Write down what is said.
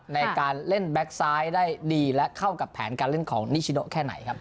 ในการเล่นแบ็คซ้ายได้ดีและเข้ากับแผนการเล่นของนิชิโนแค่ไหนครับ